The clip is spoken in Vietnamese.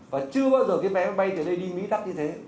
và chưa bao giờ cái vé bay từ đây đi mỹ đắt như thế